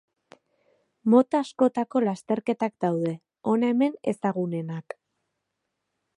Mota askotako lasterketak daude, hona hemen ezagunenak.